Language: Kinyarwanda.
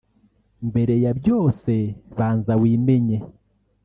Mbere ya byose banza wimenye